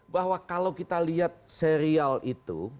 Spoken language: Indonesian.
bahwa kalau kita lihat serial itu